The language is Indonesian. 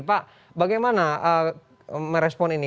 pak bagaimana merespon ini